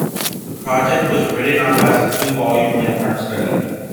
The project was written up as a two-volume landmark study.